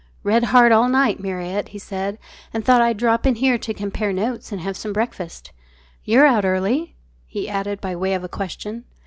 "Read hard all night, Marriott," he said, "and thought I'd drop in here to compare notes and have some breakfast. You're out early?" he added, by way of a question.